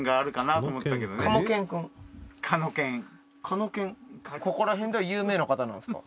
「ここら辺では有名な方なんですか？」